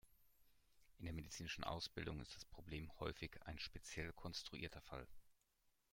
In der medizinischen Ausbildung ist das Problem häufig ein speziell konstruierter Fall.